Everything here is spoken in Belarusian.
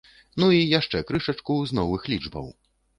Ну і яшчэ крышачку з новых лічбаў.